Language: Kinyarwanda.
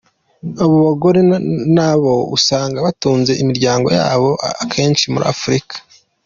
Abo bagore ni nabo usanga batunze imiryango yabo ahenshi muri Afurika.